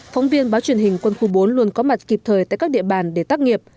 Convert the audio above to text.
phóng viên báo truyền hình quân khu bốn luôn có mặt kịp thời tại các địa bàn để tác nghiệp